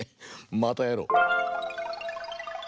またやろう！